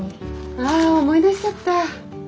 ああ思い出しちゃった。